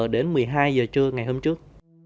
đến một mươi hai giờ trưa ngày hôm trước